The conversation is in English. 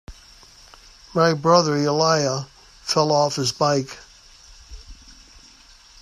My brother Elijah fell off his bike.